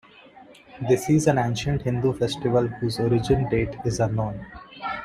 This is an ancient Hindu festival whose origin date is unknown.